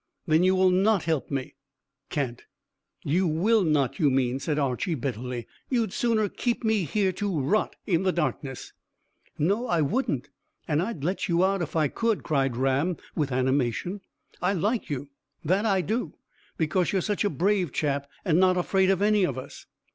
"Then you will not help me?" "Can't." "You will not, you mean," said Archy bitterly. "You'd sooner keep me here to rot in the darkness." "No, I wouldn't, and I'd let you out if I could," cried Ram, with animation. "I like you, that I do, because you're such a brave chap, and not afraid of any of us.